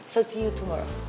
sampai jumpa besok